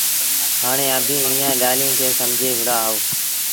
هآڻي اڀيٚنٚ ايٚئآنٚ ڳآليٚنٚ کي سمجھي وهُڙآ اهو